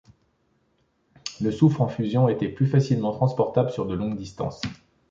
Le soufre en fusion était plus facilement transportable sur de longues distances.